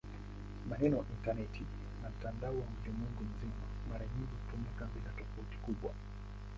Maneno "intaneti" na "mtandao wa ulimwengu mzima" mara nyingi hutumika bila tofauti kubwa.